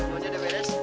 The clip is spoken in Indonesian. mau jadi beda sih